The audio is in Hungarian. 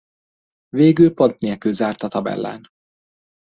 Végül pont nélkül zárt a tabellán.